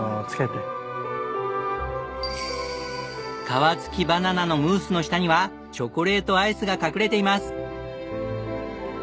皮付きバナナのムースの下にはチョコレートアイスが隠れています。